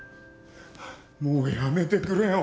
もうやめてくれよ。